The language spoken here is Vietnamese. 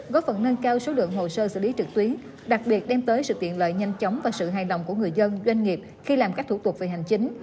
góp phần nâng cao số lượng hồ sơ xử lý trực tuyến đặc biệt đem tới sự tiện lợi nhanh chóng và sự hài lòng của người dân doanh nghiệp khi làm các thủ tục về hành chính